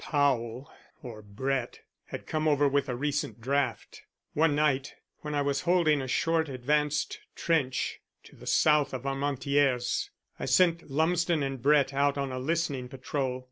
Powell or Brett had come over with a recent draft. One night when I was holding a short advanced trench to the south of Armentières I sent Lumsden and Brett out on a listening patrol.